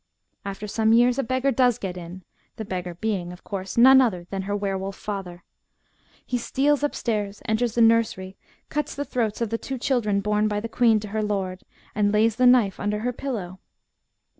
'* After some years a beggar does get in, the beggar being, of course, none other than her were wolf father. He steals upstairs, enters the nurseiy, cuts the throats of the two children borne by the queen to her lord, and lays the knife under her pillow.